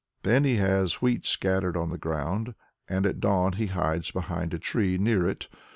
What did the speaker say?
Then he has wheat scattered on the ground, and at dawn he hides behind a tree near it.